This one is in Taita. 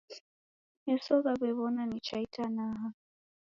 Meso ghaw'ew'ona nicha itanaha.